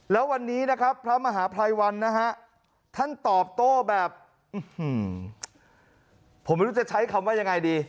แล้ววันนี้นะครับพระมหาภัยวันนะฮะท่านตอบโต้แบบผมไม่รู้จะใช้คำว่ายังไงดี